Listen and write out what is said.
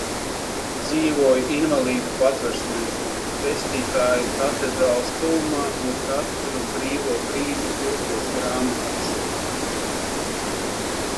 Dzīvoju invalīdu patversmē, Pestītāja katedrāles tuvumā un katru brīvo brīdi urbos grāmatās.